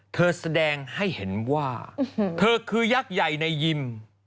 แสดงให้เห็นว่าเธอคือยักษ์ใหญ่ในยิม